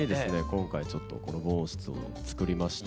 今回ちょっとこの防音室をつくりまして。